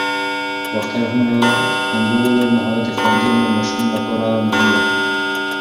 ډاکټره هومبو وویل مهارت د ښوونځي عمر ماشومانو لپاره مهم دی.